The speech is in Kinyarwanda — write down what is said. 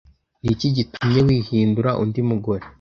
Ni iki gitumye wihindura undi mugore?